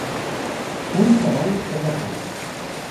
Un cremall que fa fum.